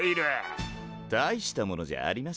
大したものじゃありませんよ。